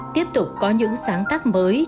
tiếp tục có những sáng tác mới